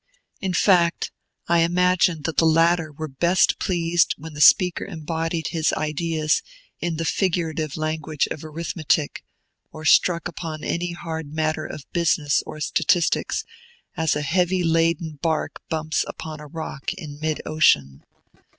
In fact, I imagine that the latter were best pleased when the speaker embodied his ideas in the figurative language of arithmetic, or struck upon any hard matter of business or statistics, as a heavy laden bark bumps upon a rock in mid ocean.